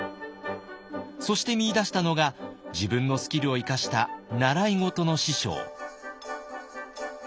そして見いだしたのが自分のスキルを生かした習い事の師匠。